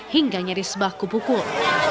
hingga nyaris baku pukul